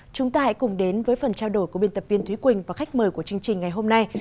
chúng ta hãy cùng đến với phần trao đổi của biên tập viên thúy quỳnh và khách mời của chương trình ngày hôm nay